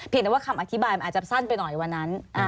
แต่ว่าคำอธิบายมันอาจจะสั้นไปหน่อยวันนั้น